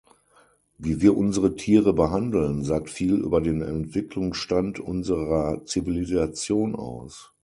Wie wir unsere Tiere behandeln, sagt viel über den Entwicklungsstand unserer Zivilisation aus.